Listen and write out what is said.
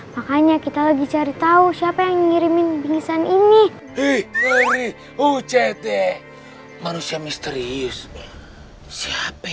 makanya kita lagi cari tahu siapa yang ngirimin bingkisan ini uct manusia misterius siapa